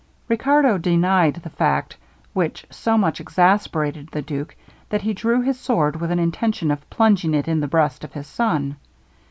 Riccardo denied the fact, which so much exasperated the duke, that he drew his sword with an intention of plunging it in the breast of his son.